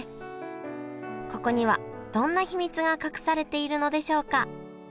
ここにはどんな秘密が隠されているのでしょうか？